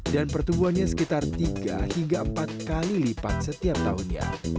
dan pertumbuhannya sekitar tiga hingga empat kali lipat setiap tahunnya